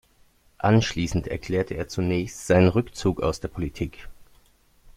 Anschließend erklärte er zunächst seinen Rückzug aus der Politik.